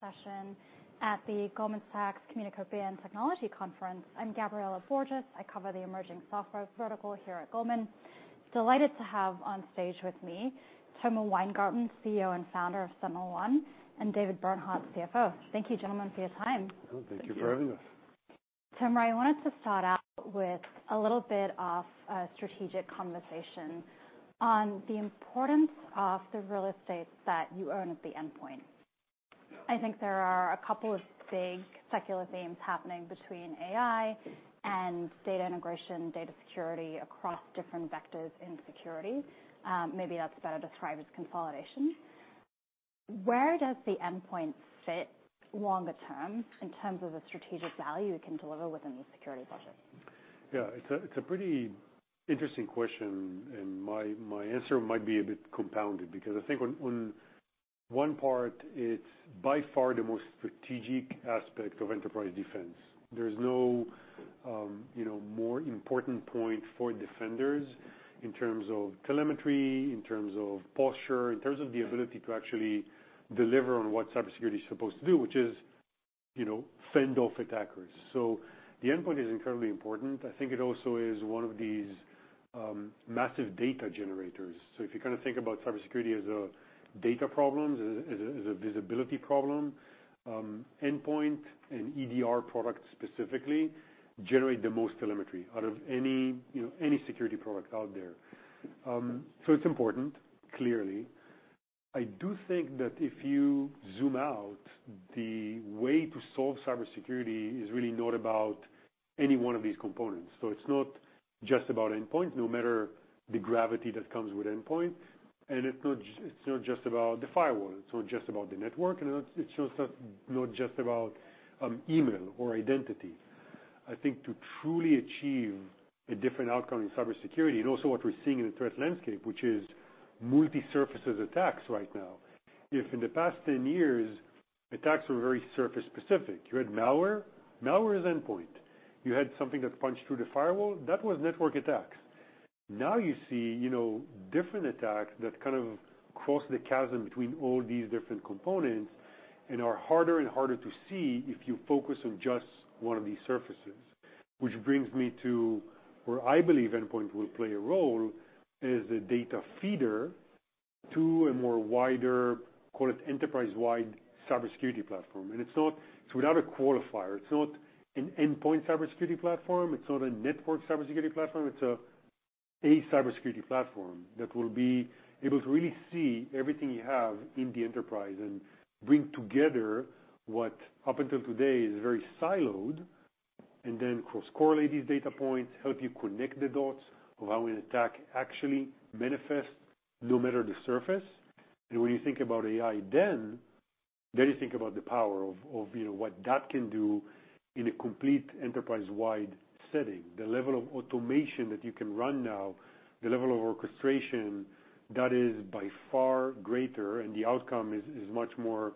Session at the Goldman Sachs Communications and Technology Conference. I'm Gabriela Borges. I cover the emerging software vertical here at Goldman. Delighted to have on stage with me, Tomer Weingarten, CEO and founder of SentinelOne, and David Bernhardt, CFO. Thank you, gentlemen, for your time. Thank you for having us. Tomer, I wanted to start out with a little bit of strategic conversation on the importance of the real estate that you earn at the endpoint. I think there are a couple of big secular themes happening between AI and data integration, data security across different vectors in security. Maybe that's better described as consolidation. Where does the endpoint fit longer term in terms of the strategic value it can deliver within the security budget? Yeah, it's a pretty interesting question, and my answer might be a bit compounded, because I think on one part, it's by far the most strategic aspect of enterprise defense. There's no you know, more important point for defenders in terms of telemetry, in terms of posture, in terms of the ability to actually deliver on what cybersecurity is supposed to do, which is, you know, fend off attackers. So the endpoint is incredibly important. I think it also is one of these massive data generators. So if you kind of think about cybersecurity as a data problem, as a visibility problem, endpoint and EDR products specifically generate the most telemetry out of any, you know, any security product out there. So it's important, clearly. I do think that if you zoom out, the way to solve cybersecurity is really not about any one of these components. So it's not just about endpoint, no matter the gravity that comes with endpoint, and it's not just about the firewall, it's not just about the network, and it's just not just about email or identity. I think to truly achieve a different outcome in cybersecurity, and also what we're seeing in the threat landscape, which is multi-surface attacks right now. If in the past 10 years, attacks were very surface specific, you had malware, malware is endpoint. You had something that punched through the firewall, that was network attacks. Now you see, you know, different attacks that kind of cross the chasm between all these different components and are harder and harder to see if you focus on just one of these surfaces. Which brings me to where I believe endpoint will play a role, is the data feeder to a more wider, call it enterprise-wide cybersecurity platform. It's not—so without a qualifier, it's not an endpoint cybersecurity platform, it's not a network cybersecurity platform. It's a cybersecurity platform that will be able to really see everything you have in the enterprise and bring together what up until today is very siloed, and then cross-correlate these data points, help you connect the dots of how an attack actually manifests, no matter the surface. When you think about AI, you think about the power of, you know, what that can do in a complete enterprise-wide setting. The level of automation that you can run now, the level of orchestration, that is by far greater, and the outcome is much more,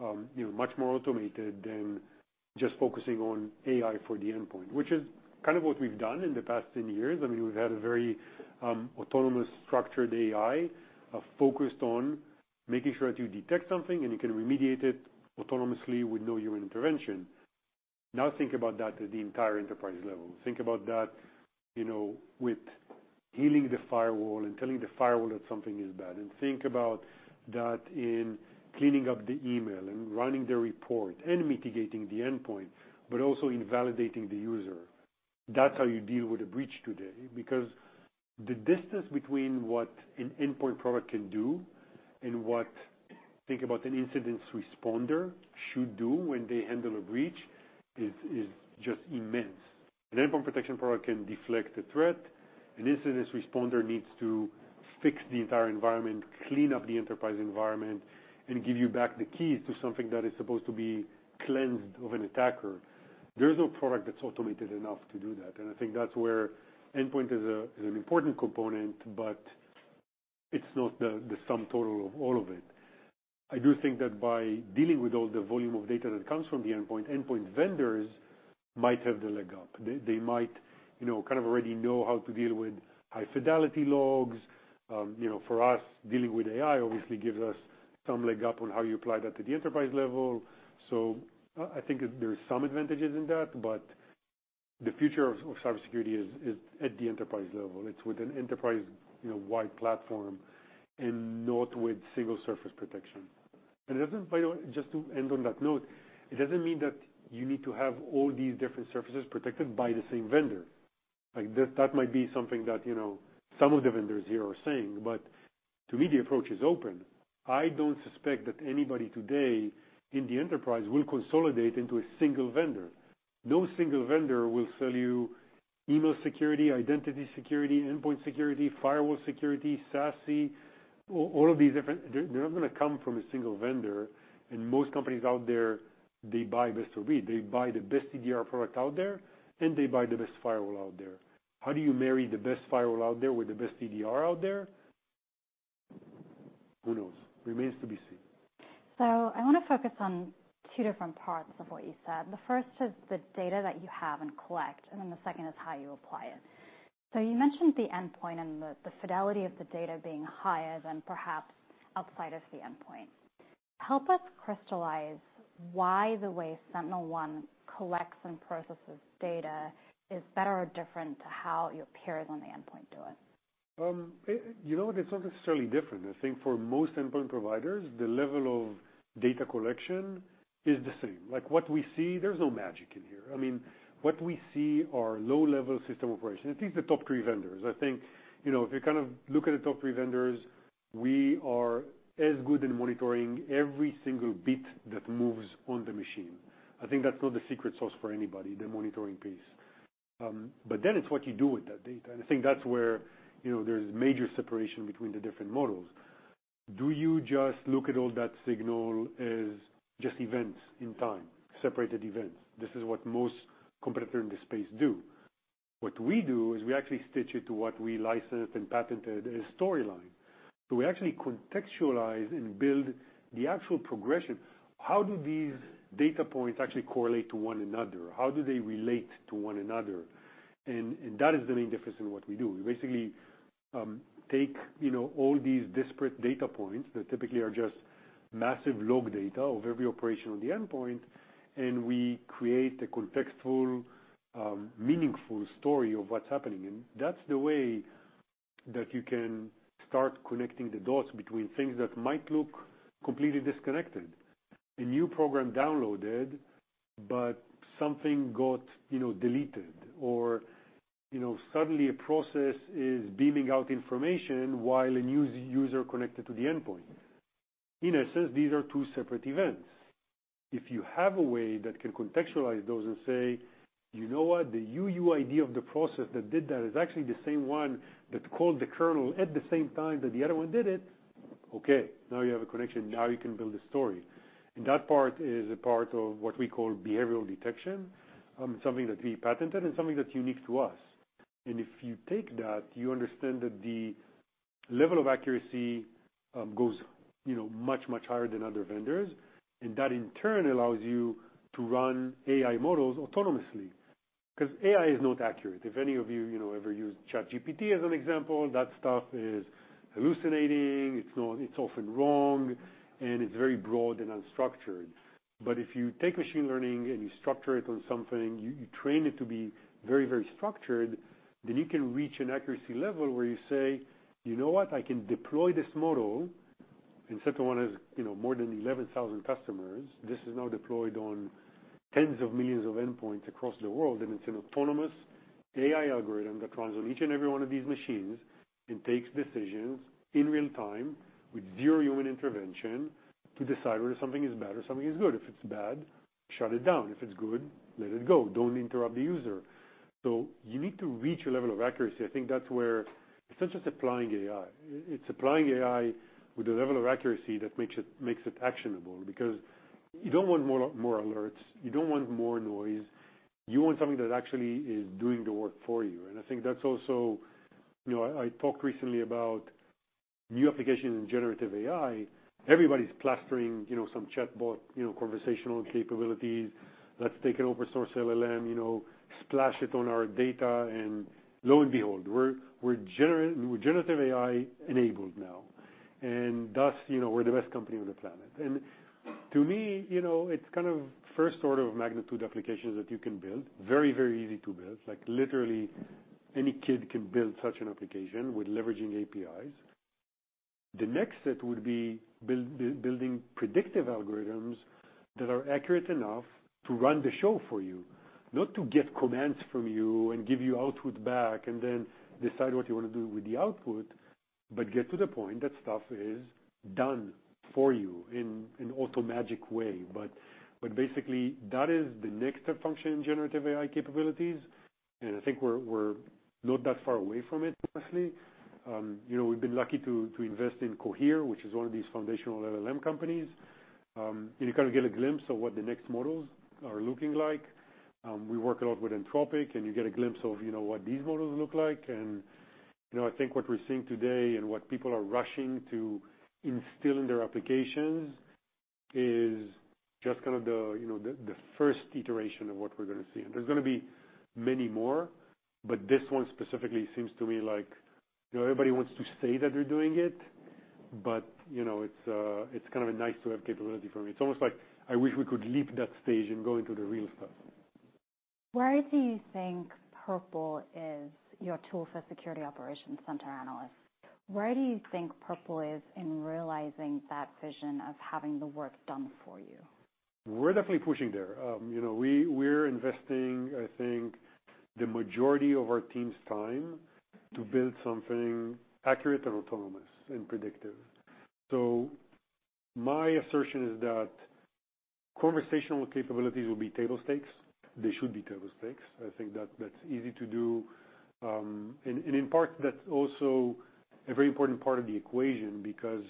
you know, much more automated than just focusing on AI for the endpoint. Which is kind of what we've done in the past 10 years. I mean, we've had a very autonomous structured AI focused on making sure that you detect something and you can remediate it autonomously with no human intervention. Now, think about that at the entire enterprise level. Think about that, you know, with healing the firewall and telling the firewall that something is bad, and think about that in cleaning up the email and running the report and mitigating the endpoint, but also in validating the user. That's how you deal with a breach today, because the distance between what an endpoint product can do and what, think about an incident responder should do when they handle a breach, is just immense. An endpoint protection product can deflect a threat. An incident responder needs to fix the entire environment, clean up the enterprise environment, and give you back the keys to something that is supposed to be cleansed of an attacker. There's no product that's automated enough to do that, and I think that's where endpoint is an important component, but it's not the sum total of all of it. I do think that by dealing with all the volume of data that comes from the endpoint, endpoint vendors might have the leg up. They might, you know, kind of already know how to deal with high fidelity logs. You know, for us, dealing with AI obviously gives us some leg up on how you apply that to the enterprise level. So I think there are some advantages in that, but the future of cybersecurity is at the enterprise level. It's with an enterprise, you know, wide platform and not with single surface protection. And it doesn't, by the way, just to end on that note, it doesn't mean that you need to have all these different surfaces protected by the same vendor. Like, that might be something that, you know, some of the vendors here are saying, but to me, the approach is open. I don't suspect that anybody today in the enterprise will consolidate into a single vendor. No single vendor will sell you email security, identity security, endpoint security, firewall security, SASE, all of these different... They're not going to come from a single vendor. And most companies out there, they buy best of breed. They buy the best EDR product out there, and they buy the best firewall out there. How do you marry the best firewall out there with the best EDR out there? Who knows? Remains to be seen.... I want to focus on two different parts of what you said. The first is the data that you have and collect, and then the second is how you apply it. So you mentioned the endpoint and the fidelity of the data being higher than perhaps outside of the endpoint. Help us crystallize why the way SentinelOne collects and processes data is better or different to how your peers on the endpoint do it? You know, it's not necessarily different. I think for most endpoint providers, the level of data collection is the same. Like, what we see, there's no magic in here. I mean, what we see are low-level system operations. I think the top three vendors. I think, you know, if you kind of look at the top three vendors, we are as good in monitoring every single bit that moves on the machine. I think that's not the secret sauce for anybody, the monitoring piece. But then it's what you do with that data, and I think that's where, you know, there's major separation between the different models. Do you just look at all that signal as just events in time, separated events? This is what most competitor in this space do. What we do, is we actually stitch it to what we licensed and patented as Storyline. So we actually contextualize and build the actual progression. How do these data points actually correlate to one another? How do they relate to one another? And that is the main difference in what we do. We basically take, you know, all these disparate data points that typically are just massive log data of every operation on the endpoint, and we create a contextual meaningful story of what's happening. And that's the way that you can start connecting the dots between things that might look completely disconnected. A new program downloaded, but something got, you know, deleted, or, you know, suddenly a process is beaming out information while a new user connected to the endpoint. In a sense, these are two separate events. If you have a way that can contextualize those and say, "You know what? The UUID of the process that did that is actually the same one that called the kernel at the same time that the other one did it," okay, now you have a connection. Now you can build a story. And that part is a part of what we call behavioral detection, something that we patented and something that's unique to us. And if you take that, you understand that the level of accuracy goes, you know, much, much higher than other vendors, and that in turn allows you to run AI models autonomously. 'Cause AI is not accurate. If any of you, you know, ever used ChatGPT as an example, that stuff is hallucinating, it's not, it's often wrong, and it's very broad and unstructured. But if you take machine learning and you structure it on something, you train it to be very, very structured, then you can reach an accuracy level where you say: You know what? I can deploy this model, and SentinelOne has, you know, more than 11,000 customers. This is now deployed on tens of millions of endpoints across the world, and it's an autonomous AI algorithm that runs on each and every one of these machines and takes decisions in real time with 0 human intervention to decide whether something is bad or something is good. If it's bad, shut it down. If it's good, let it go. Don't interrupt the user. So you need to reach a level of accuracy. I think that's where... It's not just applying AI, it's applying AI with a level of accuracy that makes it, makes it actionable. Because you don't want more alerts, you don't want more noise. You want something that actually is doing the work for you. And I think that's also... You know, I talked recently about new applications in generative AI. Everybody's plastering, you know, some chatbot, you know, conversational capabilities. Let's take an open source LLM, you know, splash it on our data, and lo and behold, we're generative AI-enabled now, and thus, you know, we're the best company on the planet. And to me, you know, it's kind of first order of magnitude applications that you can build. Very, very easy to build. Like, literally, any kid can build such an application with leveraging APIs. The next step would be building predictive algorithms that are accurate enough to run the show for you. Not to get commands from you and give you output back, and then decide what you want to do with the output, but get to the point that stuff is done for you in an auto magic way. But basically, that is the next step function in Generative AI capabilities, and I think we're not that far away from it, honestly. You know, we've been lucky to invest in Cohere, which is one of these foundational LLM companies. And you kind of get a glimpse of what the next models are looking like. We work a lot with Anthropic, and you get a glimpse of, you know, what these models look like. You know, I think what we're seeing today and what people are rushing to instill in their applications is just kind of the, you know, the first iteration of what we're gonna see. There's gonna be many more, but this one specifically seems to me like, you know, everybody wants to say that they're doing it, but, you know, it's kind of a nice-to-have capability for me. It's almost like I wish we could leap that stage and go into the real stuff. Where do you think Purple is, your tool for security operations center analysts, where do you think Purple is in realizing that vision of having the work done for you? We're definitely pushing there. You know, we're investing, I think, the majority of our team's time to build something accurate and autonomous and predictive. So my assertion is that conversational capabilities will be table stakes. They should be table stakes. I think that that's easy to do. And in part, that's also a very important part of the equation, because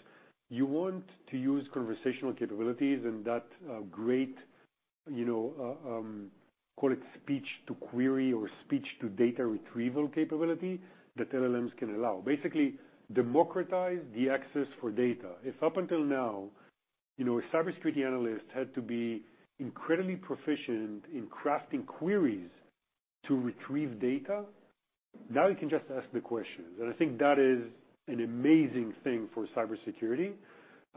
you want to use conversational capabilities and that, you know, call it speech to query or speech to data retrieval capability that LLMs can allow. Basically, democratize the access for data. If up until now, you know, a cybersecurity analyst had to be incredibly proficient in crafting queries to retrieve data, now you can just ask the questions, and I think that is an amazing thing for cybersecurity.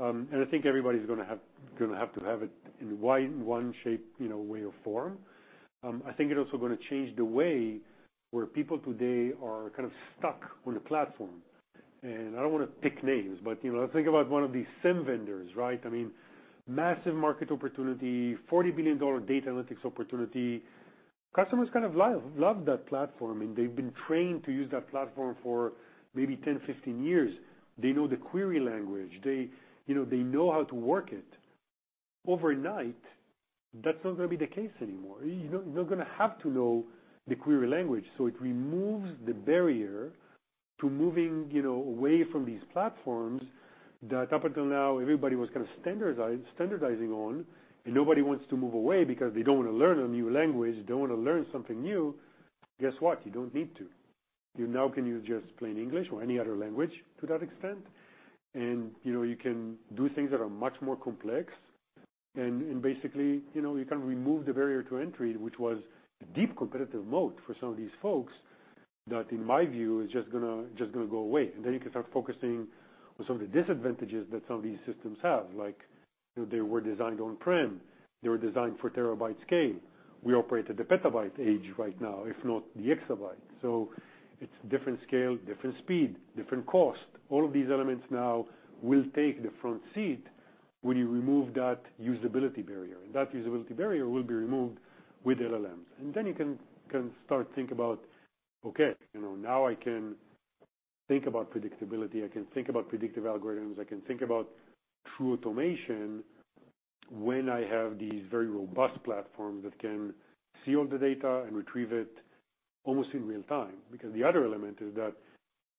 And I think everybody's gonna have to have it in one shape, you know, way or form. I think it's also gonna change the way where people today are kind of stuck on a platform. And I don't wanna pick names, but, you know, think about one of these SIEM vendors, right? I mean, massive market opportunity, $40 billion data analytics opportunity. Customers kind of love that platform, and they've been trained to use that platform for maybe 10, 15 years. They know the query language. They, you know, they know how to work it. Overnight, that's not gonna be the case anymore. You're not gonna have to know the query language. So it removes the barrier to moving, you know, away from these platforms that up until now, everybody was kind of standardizing on, and nobody wants to move away because they don't want to learn a new language. They don't want to learn something new. Guess what? You don't need to. You now can use just plain English or any other language to that extent, and, you know, you can do things that are much more complex. And basically, you know, you kind of remove the barrier to entry, which was a deep competitive moat for some of these folks, that, in my view, is just gonna go away. And then you can start focusing on some of the disadvantages that some of these systems have. Like, they were designed on-prem, they were designed for terabyte scale. We operate at the petabyte age right now, if not the exabyte. So it's different scale, different speed, different cost. All of these elements now will take the front seat when you remove that usability barrier, and that usability barrier will be removed with LLMs. And then you can, you can start think about, okay, you know, now I can think about predictability, I can think about predictive algorithms, I can think about true automation when I have these very robust platforms that can see all the data and retrieve it almost in real time. Because the other element is that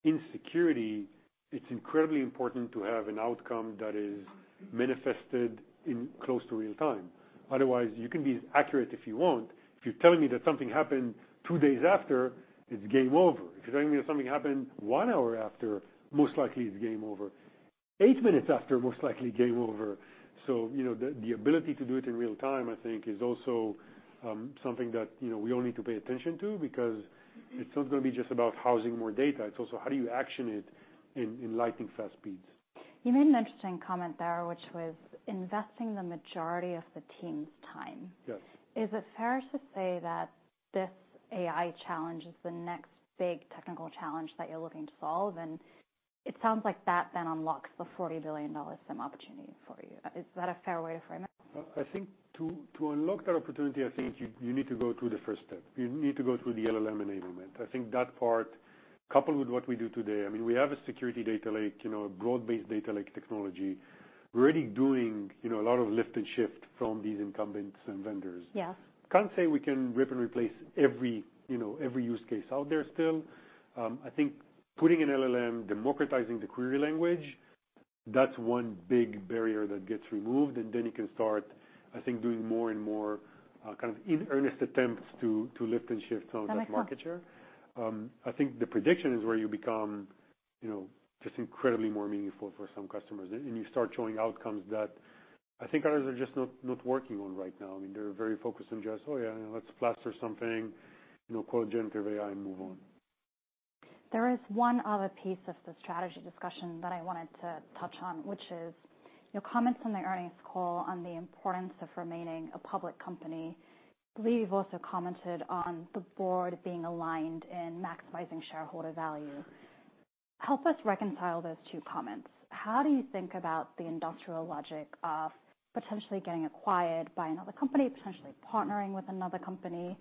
in security, it's incredibly important to have an outcome that is manifested in close to real time. Otherwise, you can be as accurate if you want. If you're telling me that something happened two days after, it's game over. If you're telling me that something happened 1 hour after, most likely it's game over. 8 minutes after, most likely game over. So, you know, the ability to do it in real time, I think, is also something that, you know, we all need to pay attention to, because it's not gonna be just about housing more data. It's also how do you action it in lightning fast speeds? You made an interesting comment there, which was investing the majority of the team's time. Yes. Is it fair to say that this AI challenge is the next big technical challenge that you're looking to solve? And it sounds like that then unlocks the $40 billion SIEM opportunity for you. Is that a fair way to frame it? I think to unlock that opportunity, I think you need to go through the first step. You need to go through the LLM enablement. I think that part, coupled with what we do today... I mean, we have a security Data Lake, you know, a broad-based data lake technology. We're already doing, you know, a lot of Lift and Shift from these incumbents and vendors. Yes. Can't say we can rip and replace every, you know, every use case out there still. I think putting an LLM, democratizing the query language, that's one big barrier that gets removed, and then you can start, I think, doing more and more, kind of in earnest attempts to lift and shift some of that market share. That makes sense. I think the prediction is where you become, you know, just incredibly more meaningful for some customers. And you start showing outcomes that I think others are just not working on right now. I mean, they're very focused on just, "Oh, yeah, let's plaster something, you know, call Generative AI and move on. There is one other piece of the strategy discussion that I wanted to touch on, which is your comments on the earnings call on the importance of remaining a public company. I believe you've also commented on the board being aligned in maximizing shareholder value. Help us reconcile those two comments. How do you think about the industrial logic of potentially getting acquired by another company, potentially partnering with another company?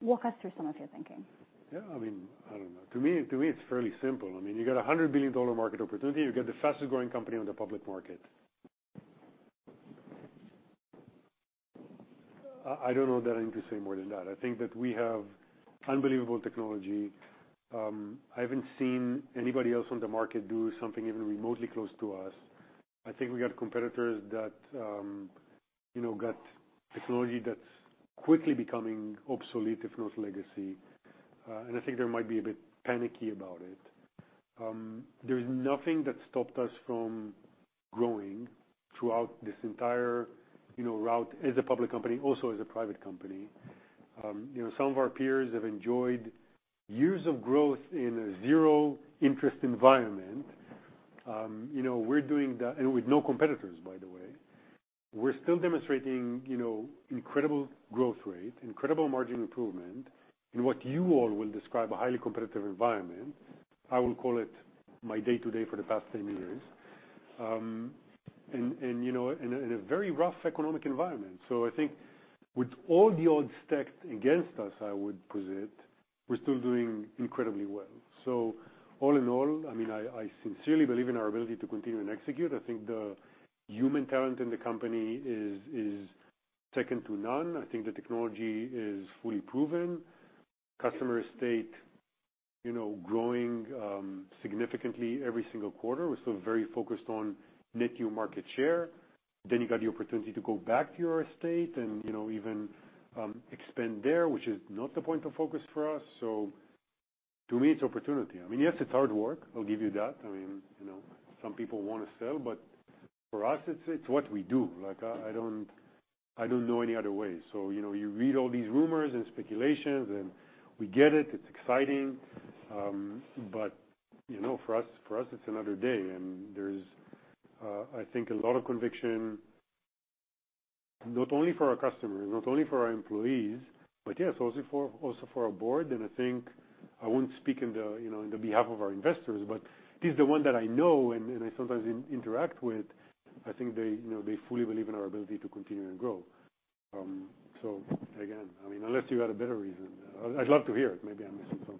Walk us through some of your thinking. Yeah, I mean, I don't know. To me, it's fairly simple. I mean, you got a $100 billion market opportunity. You got the fastest growing company on the public market. I don't know that I need to say more than that. I think that we have unbelievable technology. I haven't seen anybody else on the market do something even remotely close to us. I think we got competitors that, you know, got technology that's quickly becoming obsolete, if not legacy. And I think they might be a bit panicky about it. There's nothing that stopped us from growing throughout this entire, you know, route as a public company, also as a private company. You know, some of our peers have enjoyed years of growth in a zero interest environment. You know, we're doing that... With no competitors, by the way. We're still demonstrating, you know, incredible growth rate, incredible margin improvement, in what you all will describe a highly competitive environment. I will call it my day-to-day for the past 10 years. And you know, in a very rough economic environment. So I think with all the odds stacked against us, I would posit, we're still doing incredibly well. So all in all, I mean, I sincerely believe in our ability to continue and execute. I think the human talent in the company is second to none. I think the technology is fully proven. Customer estate-... you know, growing significantly every single quarter. We're still very focused on net new market share. Then you got the opportunity to go back to your estate and, you know, even expand there, which is not the point of focus for us. So to me, it's opportunity. I mean, yes, it's hard work, I'll give you that. I mean, you know, some people want to sell, but for us, it's what we do. Like, I don't know any other way. So, you know, you read all these rumors and speculations, and we get it, it's exciting. But, you know, for us, it's another day, and there's, I think, a lot of conviction, not only for our customers, not only for our employees, but yeah, also for our board. I think I wouldn't speak on behalf, you know, of our investors, but at least the one that I know and I sometimes interact with. I think they, you know, they fully believe in our ability to continue and grow. So again, I mean, unless you had a better reason, I'd love to hear it. Maybe I'm missing something.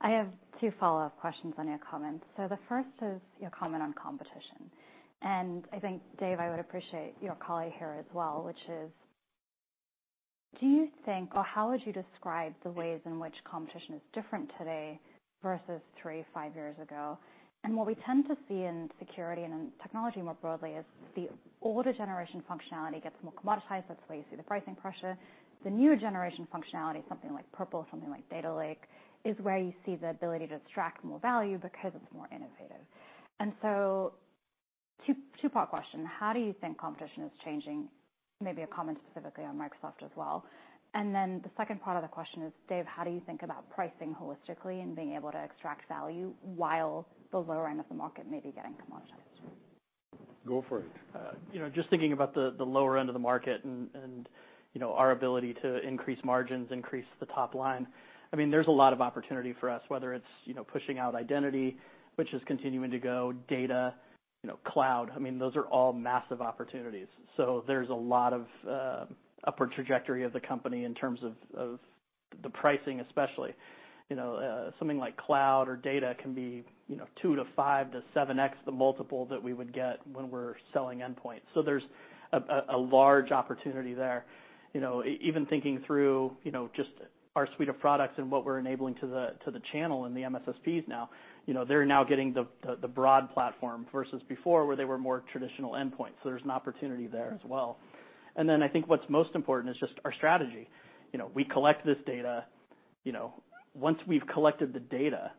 I have two follow-up questions on your comments. So the first is your comment on competition. And I think, Dave, I would appreciate your colleague here as well, which is: do you think, or how would you describe the ways in which competition is different today versus 3, 5 years ago? And what we tend to see in security and in technology more broadly is the older generation functionality gets more commoditized. That's where you see the pricing pressure. The newer generation functionality, something like Purple, something like Data Lake, is where you see the ability to extract more value because it's more innovative. And so two, two-part question: How do you think competition is changing? Maybe a comment specifically on Microsoft as well. The second part of the question is, Dave, how do you think about pricing holistically and being able to extract value while the lower end of the market may be getting commoditized? Go for it. You know, just thinking about the lower end of the market and, you know, our ability to increase margins, increase the top line. I mean, there's a lot of opportunity for us, whether it's, you know, pushing out identity, which is continuing to go, data, you know, cloud. I mean, those are all massive opportunities. So there's a lot of upward trajectory of the company in terms of the pricing, especially. You know, something like cloud or data can be, you know, 2 to 5 to 7x the multiple that we would get when we're selling endpoint. So there's a large opportunity there. You know, even thinking through, you know, just our suite of products and what we're enabling to the channel and the MSSPs now, you know, they're now getting the broad platform versus before, where they were more traditional endpoint. So there's an opportunity there as well. And then I think what's most important is just our strategy. You know, we collect this data. You know, once we've collected the data,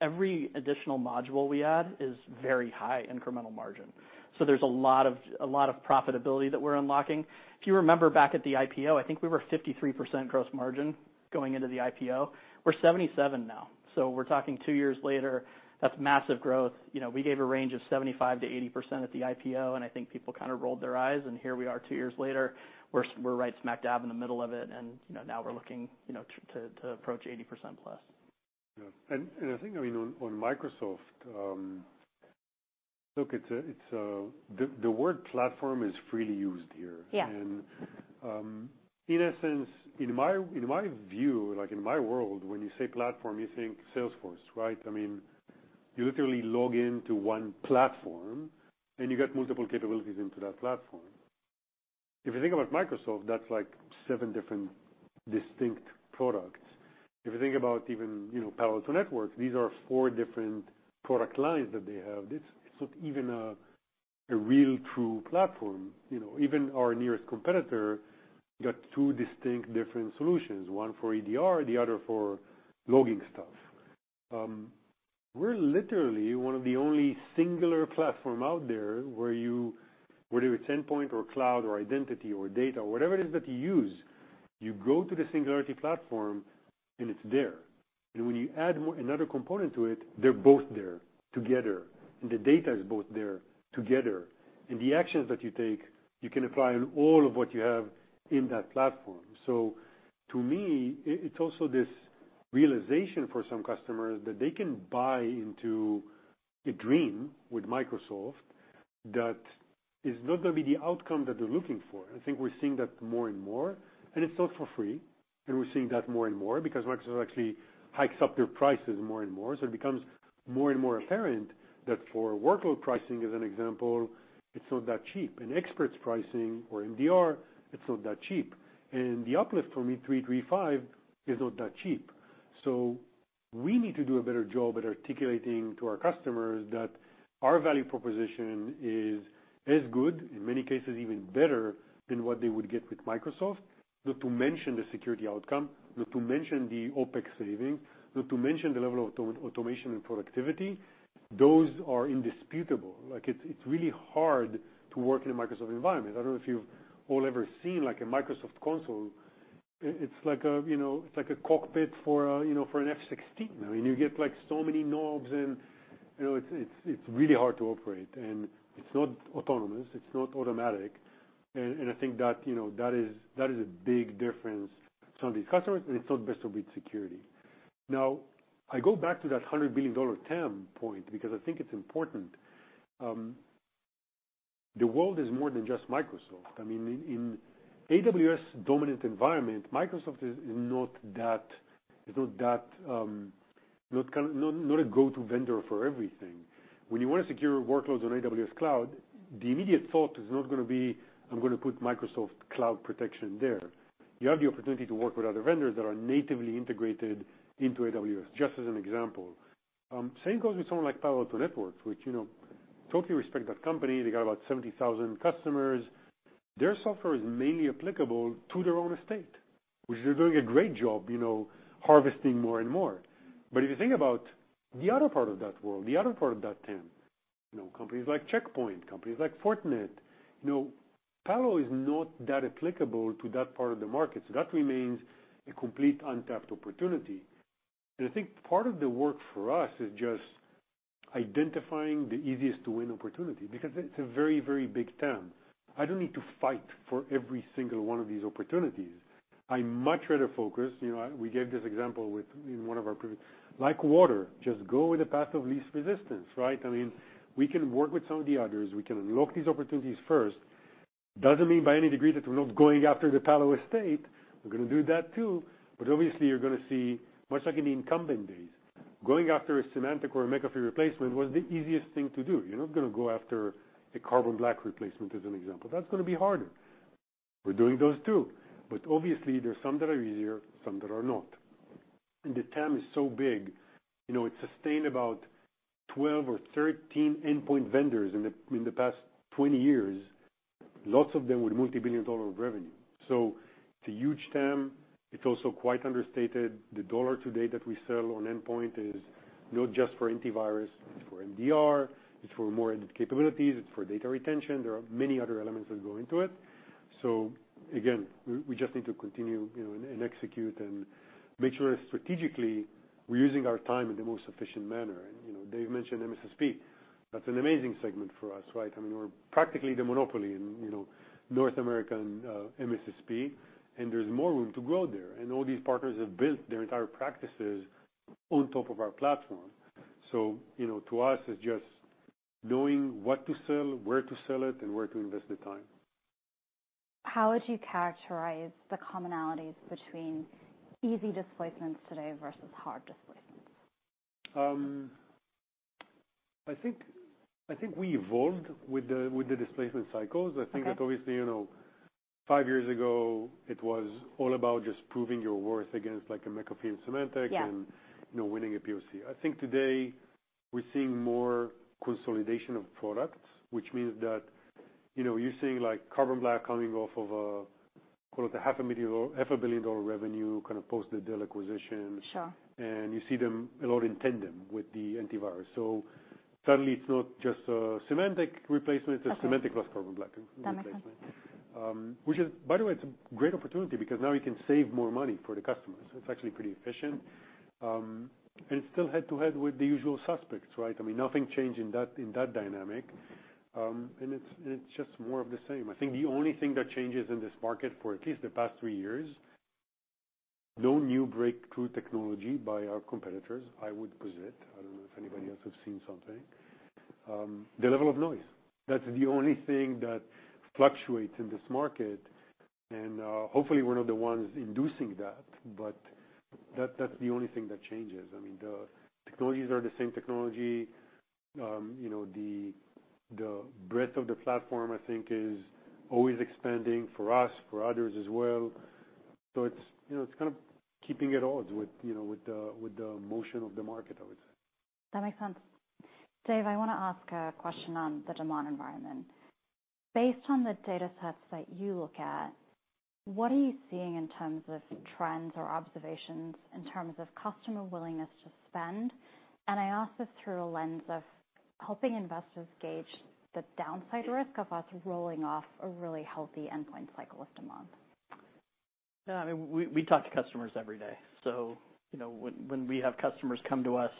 every additional module we add is very high incremental margin. So there's a lot of profitability that we're unlocking. If you remember back at the IPO, I think we were 53% gross margin going into the IPO. We're 77% now, so we're talking two years later, that's massive growth. You know, we gave a range of 75%-80% at the IPO, and I think people kind of rolled their eyes, and here we are two years later, we're right smack dab in the middle of it, and, you know, now we're looking, you know, to approach 80%+. Yeah. And I think, I mean, on Microsoft, look, it's... The word platform is freely used here. Yeah. In a sense, in my view, like in my world, when you say platform, you think Salesforce, right? I mean, you literally log into one platform, and you get multiple capabilities into that platform. If you think about Microsoft, that's like seven different distinct products. If you think about even, you know, Palo Alto Networks, these are four different product lines that they have. It's not even a real true platform, you know. Even our nearest competitor got two distinct different solutions, one for EDR, the other for logging stuff. We're literally one of the only singular platform out there where you, whether it's endpoint or cloud or identity or data or whatever it is that you use, you go to the Singularity Platform, and it's there. When you add more, another component to it, they're both there together, and the data is both there together. The actions that you take, you can apply on all of what you have in that platform. So to me, it, it's also this realization for some customers that they can buy into a dream with Microsoft that is not gonna be the outcome that they're looking for. I think we're seeing that more and more, and it's not for free. We're seeing that more and more because Microsoft actually hikes up their prices more and more. So it becomes more and more apparent that for workload pricing, as an example, it's not that cheap. For experts pricing or MDR, it's not that cheap. The uplift from E3/E5 is not that cheap. So we need to do a better job at articulating to our customers that our value proposition is as good, in many cases, even better than what they would get with Microsoft. Not to mention the security outcome, not to mention the OpEx saving, not to mention the level of automation and productivity. Those are indisputable. Like, it's, it's really hard to work in a Microsoft environment. I don't know if you've all ever seen, like, a Microsoft console. It, it's like a, you know, it's like a cockpit for, you know, for an F-16. I mean, you get, like, so many knobs and, you know, it's, it's, it's really hard to operate, and it's not autonomous, it's not automatic. And, and I think that, you know, that is, that is a big difference to these customers, and it's not best of breed security. Now, I go back to that $100 billion TAM point because I think it's important. The world is more than just Microsoft. I mean, in an AWS-dominant environment, Microsoft is not that, not kind of not a go-to vendor for everything, when you want to secure workloads on AWS cloud, the immediate thought is not going to be, I'm going to put Microsoft Cloud protection there. You have the opportunity to work with other vendors that are natively integrated into AWS, just as an example. Same goes with someone like Palo Alto Networks, which, you know, totally respect that company. They got about 70,000 customers. Their software is mainly applicable to their own estate, which they're doing a great job, you know, harvesting more and more. But if you think about the other part of that world, the other part of that TAM, you know, companies like Check Point, companies like Fortinet, you know, Palo is not that applicable to that part of the market, so that remains a complete untapped opportunity. And I think part of the work for us is just identifying the easiest to win opportunity, because it's a very, very big TAM. I don't need to fight for every single one of these opportunities. I'd much rather focus, you know, we gave this example with, in one of our previous—like water, just go with the path of least resistance, right? I mean, we can work with some of the others. We can unlock these opportunities first. Doesn't mean by any degree that we're not going after the Palo estate. We're going to do that, too. But obviously, you're going to see, much like in the incumbent days, going after a Symantec or a McAfee replacement was the easiest thing to do. You're not going to go after a Carbon Black replacement, as an example. That's going to be harder. We're doing those, too. But obviously, there are some that are easier, some that are not. And the TAM is so big, you know, it's sustained about 12 or 13 endpoint vendors in the, in the past 20 years, lots of them with multi-billion-dollar revenue. So it's a huge TAM. It's also quite understated. The dollar today that we sell on endpoint is not just for antivirus, it's for MDR, it's for more end capabilities, it's for data retention. There are many other elements that go into it. So again, we just need to continue, you know, and execute and make sure strategically we're using our time in the most efficient manner. And, you know, Dave mentioned MSSP. That's an amazing segment for us, right? I mean, we're practically the monopoly in, you know, North America MSSP, and there's more room to grow there. And all these partners have built their entire practices on top of our platform. So, you know, to us, it's just knowing what to sell, where to sell it, and where to invest the time. How would you characterize the commonalities between easy displacements today versus hard displacements? I think we evolved with the displacement cycles. Okay. I think that obviously, you know, five years ago, it was all about just proving your worth against, like, a McAfee and Symantec- Yeah... and, you know, winning a POC. I think today, we're seeing more consolidation of products, which means that, you know, you're seeing, like, Carbon Black coming off of a, call it a $500,000-- $500 million revenue, kind of post the deal acquisition. Sure. You see them a lot in tandem with the antivirus. Suddenly, it's not just a Symantec replacement- Okay... it's a Symantec plus Carbon Black replacement. That makes sense. Which is, by the way, it's a great opportunity because now we can save more money for the customers. It's actually pretty efficient. And it's still head-to-head with the usual suspects, right? I mean, nothing changed in that, in that dynamic. And it's just more of the same. I think the only thing that changes in this market for at least the past three years, no new breakthrough technology by our competitors, I would posit. I don't know if anybody else has seen something. The level of noise, that's the only thing that fluctuates in this market, and hopefully, we're not the ones inducing that, but that, that's the only thing that changes. I mean, the technologies are the same technology. You know, the breadth of the platform, I think, is always expanding for us, for others as well. It's, you know, kind of keeping it odd with, you know, with the motion of the market, I would say. That makes sense. Dave, I want to ask a question on the demand environment. Based on the data sets that you look at, what are you seeing in terms of trends or observations in terms of customer willingness to spend? And I ask this through a lens of helping investors gauge the downside risk of us rolling off a really healthy endpoint cycle with demand. Yeah, I mean, we talk to customers every day. So you know, when we have customers come to us,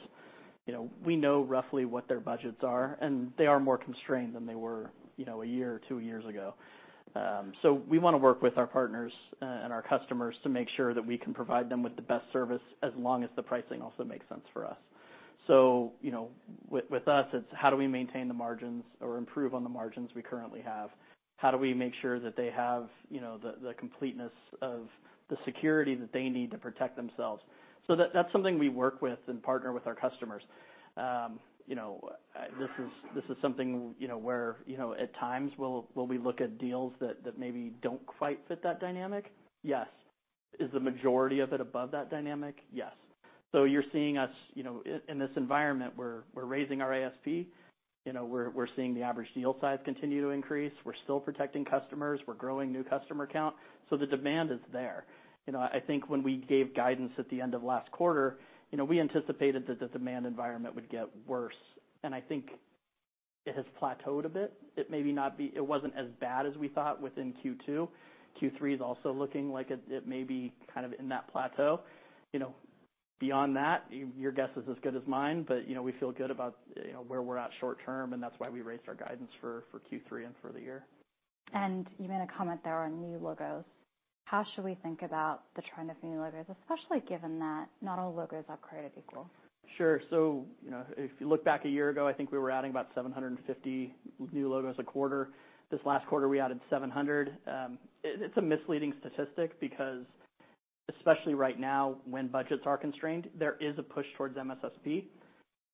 you know, we know roughly what their budgets are, and they are more constrained than they were, you know, a year or two years ago. So we want to work with our partners and our customers to make sure that we can provide them with the best service, as long as the pricing also makes sense for us. So, you know, with us, it's how do we maintain the margins or improve on the margins we currently have? How do we make sure that they have, you know, the completeness of the security that they need to protect themselves? So that, that's something we work with and partner with our customers. You know, this is something, you know, where, you know, at times will we look at deals that maybe don't quite fit that dynamic? Yes. Is the majority of it above that dynamic? Yes. So you're seeing us, you know, in this environment, we're raising our ASP. You know, we're seeing the average deal size continue to increase. We're still protecting customers. We're growing new customer count. So the demand is there. You know, I think when we gave guidance at the end of last quarter, you know, we anticipated that the demand environment would get worse, and I think it has plateaued a bit. It may not be as bad as we thought within Q2. Q3 is also looking like it may be kind of in that plateau. You know, beyond that, your guess is as good as mine, but, you know, we feel good about, you know, where we're at short term, and that's why we raised our guidance for Q3 and for the year. You made a comment there on new logos. How should we think about the trend of new logos, especially given that not all logos are created equal? Sure. So you know, if you look back a year ago, I think we were adding about 750 new logos a quarter. This last quarter, we added 700. It's a misleading statistic because especially right now when budgets are constrained, there is a push towards MSSP.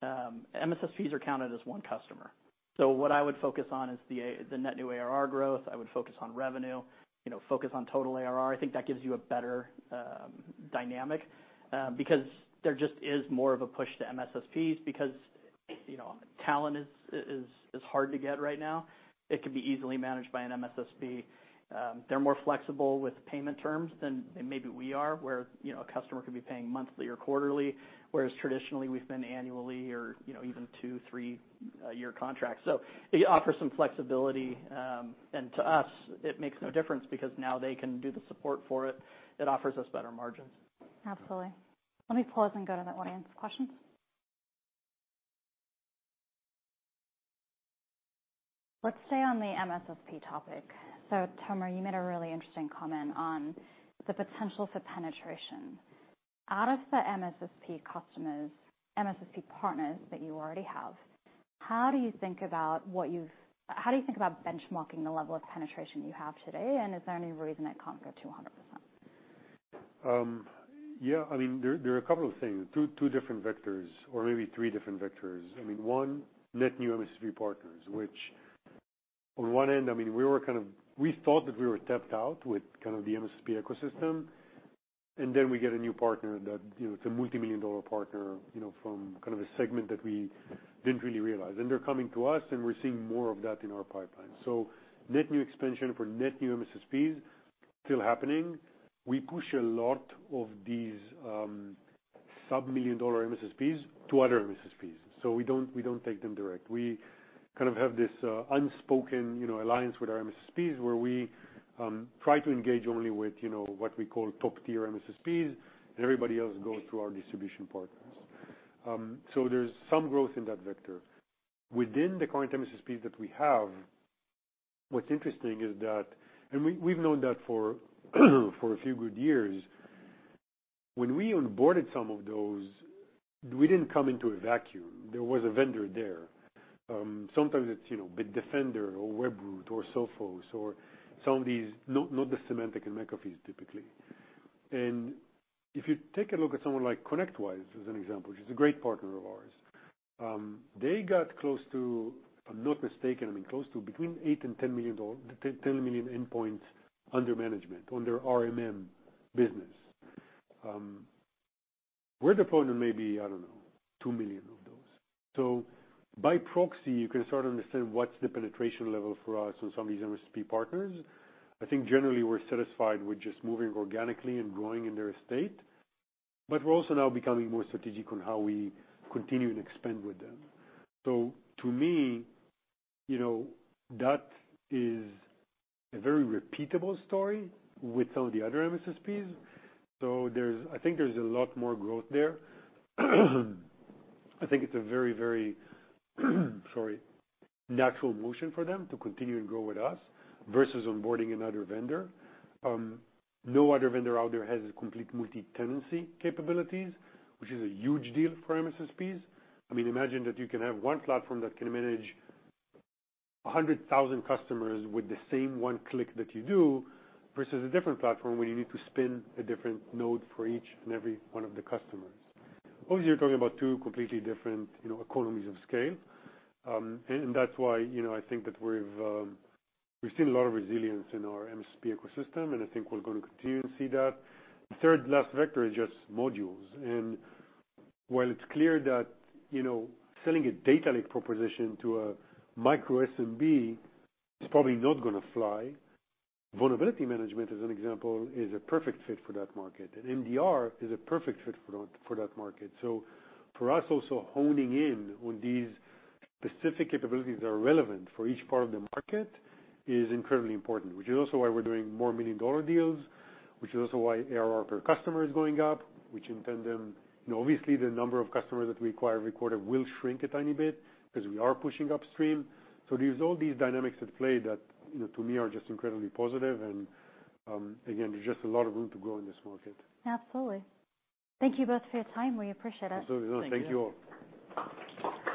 MSSPs are counted as one customer. So what I would focus on is the net new ARR growth. I would focus on revenue, you know, focus on total ARR. I think that gives you a better dynamic because there just is more of a push to MSSPs because, you know, talent is hard to get right now. It can be easily managed by an MSSP. They're more flexible with payment terms than maybe we are, where, you know, a customer could be paying monthly or quarterly, whereas traditionally, we've been annually or, you know, even 2, 3-year contracts. So it offers some flexibility, and to us, it makes no difference because now they can do the support for it. It offers us better margins. Absolutely. Let me pause and go to the audience questions. Let's stay on the MSSP topic. So, Tomer, you made a really interesting comment on the potential for penetration. Out of the MSSP customers, MSSP partners that you already have, how do you think about benchmarking the level of penetration you have today, and is there any reason it can't go to 100%? Yeah, I mean, there, there are a couple of things, two, two different vectors, or maybe three different vectors. I mean, one, net new MSSP partners, which on one end, I mean, we were kind of—we thought that we were tapped out with kind of the MSSP ecosystem, and then we get a new partner that, you know, it's a multimillion-dollar partner, you know, from kind of a segment that we didn't really realize. And they're coming to us, and we're seeing more of that in our pipeline. So net new expansion for net new MSSPs, still happening. We push a lot of these, sub-million dollar MSSPs to other MSSPs, so we don't, we don't take them direct. We kind of have this unspoken, you know, alliance with our MSSPs, where we try to engage only with, you know, what we call top-tier MSSPs, and everybody else goes through our distribution partners. So there's some growth in that vector. Within the current MSSPs that we have, what's interesting is that, and we, we've known that for a few good years. When we onboarded some of those, we didn't come into a vacuum. There was a vendor there. Sometimes it's, you know, Bitdefender or Webroot or Sophos or some of these, not the Symantec and McAfees, typically. If you take a look at someone like ConnectWise, as an example, which is a great partner of ours, they got close to, if I'm not mistaken, I mean, close to between 8 and 10 million, 10 million endpoints under management, under RMM business. We're deploying in maybe, I don't know, 2 million of those. So by proxy, you can sort of understand what's the penetration level for us on some of these MSP partners. I think generally we're satisfied with just moving organically and growing in their estate, but we're also now becoming more strategic on how we continue to expand with them. So to me, you know, that is a very repeatable story with some of the other MSSPs. So, I think, there's a lot more growth there. I think it's a very, very, sorry, natural motion for them to continue to grow with us versus onboarding another vendor. No other vendor out there has the complete multi-tenancy capabilities, which is a huge deal for MSSPs. I mean, imagine that you can have one platform that can manage 100,000 customers with the same one click that you do, versus a different platform, where you need to spin a different node for each and every one of the customers. Obviously, you're talking about two completely different, you know, economies of scale. And that's why, you know, I think that we've, we've seen a lot of resilience in our MSP ecosystem, and I think we're going to continue to see that. The third last vector is just modules. And while it's clear that, you know, selling a Data Lake proposition to a micro SMB is probably not gonna fly, vulnerability management, as an example, is a perfect fit for that market, and MDR is a perfect fit for, for that market. So for us, also honing in on these specific capabilities that are relevant for each part of the market is incredibly important, which is also why we're doing more million-dollar deals, which is also why ARR per customer is going up, which in tandem... You know, obviously, the number of customers that we acquire every quarter will shrink a tiny bit because we are pushing upstream. So there's all these dynamics at play that, you know, to me, are just incredibly positive, and, again, there's just a lot of room to grow in this market. Absolutely. Thank you both for your time. We appreciate it. Absolutely. No, thank you all.